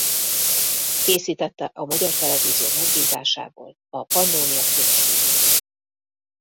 Készítette a Magyar Televízió megbízásából a Pannónia Filmstúdió